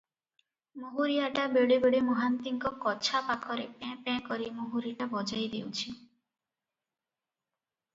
ମହୁରିଆଟା ବେଳେ ବେଳେ ମହାନ୍ତିଙ୍କ କଛା ପାଖରେ ପେଁ-ପେଁ କରି ମହୁରିଟା ବଜାଇ ଦେଉଛି ।